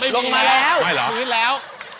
เชฟลงมาแล้ว